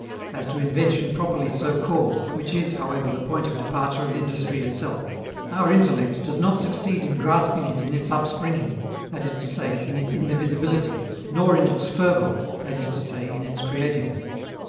As to invention properly so called, which is, however, the point of departure of industry itself, our intellect does not succeed in grasping it in its upspringing, that is to say, in its indivisibility, nor in its fervor, that is to say, in its creativeness.